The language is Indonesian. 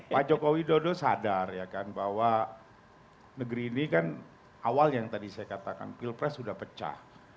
pak joko widodo sadar ya kan bahwa negeri ini kan awal yang tadi saya katakan pilpres sudah pecah